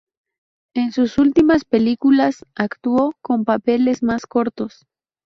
En sus últimas películas actuó con papeles más cortos.